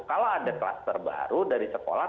kalau ada kluster baru dari sekolah